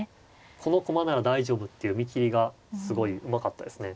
この駒なら大丈夫っていう見切りがすごいうまかったですね。